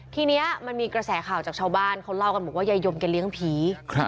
ทีนี้มันมีกระแสข่าวจากชาวบ้านเขาเล่ากันบอกว่ายายยมแกเลี้ยงผี